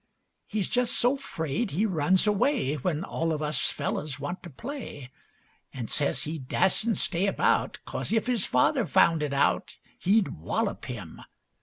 He's just so 'fraid he runs away When all of us fellows want to play, An' says he dassent stay about Coz if his father found it out He'd wallop him.